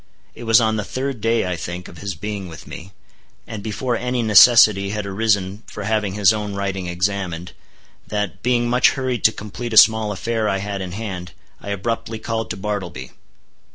It was on the third day, I think, of his being with me, and before any necessity had arisen for having his own writing examined, that, being much hurried to complete a small affair I had in hand, I abruptly called to Bartleby.